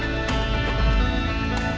udah udah balik balik stop